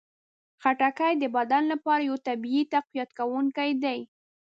خټکی د بدن لپاره یو طبیعي تقویت کوونکی دی.